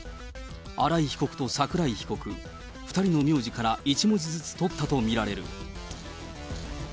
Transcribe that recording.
新井被告と桜井被告、２人の名字から１文字ずつ取ったと見られる。